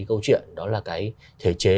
câu chuyện đó là cái thể chế